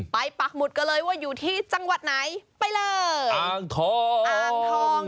ปักหมุดกันเลยว่าอยู่ที่จังหวัดไหนไปเลยอ่างทองอ่างทอง